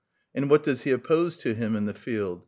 And what does he oppose to him in the field?